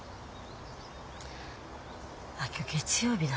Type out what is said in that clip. あっ今日月曜日だ。